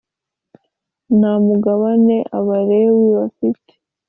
Nta mugabane Abalewi bafite